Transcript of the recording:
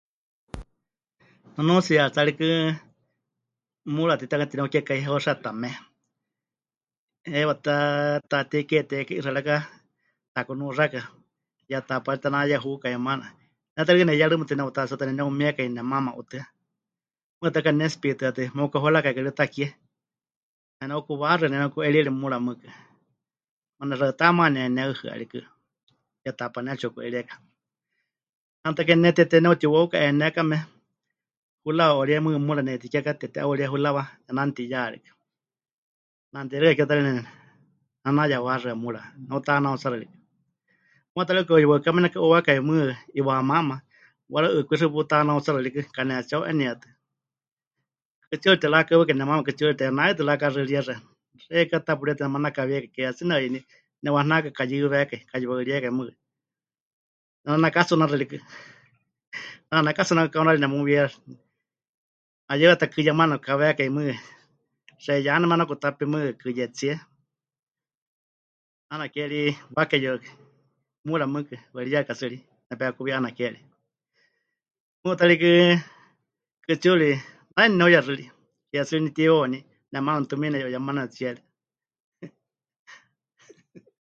Nunuutsiyari tsɨ rikɨ muura titewakame teneukekái heuxetame, heiwa ta Taatei Kie teheku'ixɨaraka, te'akunuaxɨaka, yetaápa ri tenayehukai maana, ne ta rikɨ neyerɨmɨtɨ ne'utatsuátɨ neneumiekai nemaama 'utɨa, mɨɨkɨ ta kanetsipitɨatɨ meukahurakaikɨ ri takie neneukuwaxɨa, neneuku'eiri ri mura mɨɨkɨ, nexaɨtá maana neneuhɨa rikɨ yetaápa netsi'uku'eirieka, 'aana ke ne teté ne'utiwauka 'enekame, hurawa 'auríe mɨɨkɨ muura netikeka teté 'auríe hurawa, nenanutiyá rikɨ, ne'anutiyerɨka ta rikɨ nenenayewaxɨa muura, neutanautsaxɨ rikɨ, muuwa ta rikɨ kauka yuwaɨká meneka'uuwákai mɨɨkɨ 'iwamáma, waru'ukwixɨ putanautsaxɨ rikɨ kanetsiheu'enietɨ, kɨtsiurite mɨrakawɨkai nemaama kɨtsiuriteya naitɨ pɨrakaxɨriexɨa, xeikɨ́a tapurietɨ nemanakawiekai ke tsɨ ne'uyɨní, nemiwahanakai kayɨwékai, kayuwaɨriyakai mɨɨkɨ, nenanakatsunáxɨ rikɨ, ne'anakatsunaka kaunari nemuwiyaxɨ, 'ayɨweka ta kɨye maana mɨkawekai mɨɨkɨ xeiyá nemenakutapi mɨɨkɨ kɨyetsíe, 'aana ke ri mɨwake muura mɨɨkɨ, waɨríyarika tsɨ ri, nepekuwi 'aana ke ri, mɨɨkɨ ta rikɨ kɨtsiuri nai neneuyexɨri, ke tsɨ ri netiwauní, nemaama tumiinieya 'uyemaneme tsiere.